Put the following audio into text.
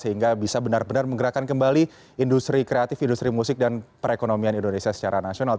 sehingga bisa benar benar menggerakkan kembali industri kreatif industri musik dan perekonomian indonesia secara nasional